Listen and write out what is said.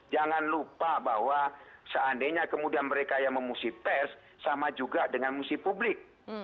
jangan lupa bahwa seandainya kemudian mereka yang memusi pers sama juga dengan musik publik